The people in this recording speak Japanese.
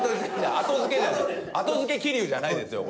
後付け桐生じゃないですよ